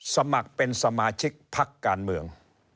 สมัครเป็นสมาชิกพักการเมือง